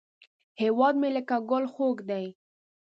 هیواد مې لکه ګل خوږ دی